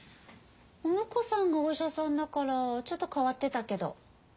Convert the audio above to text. お婿さんがお医者さんだからちょっと変わってたけど。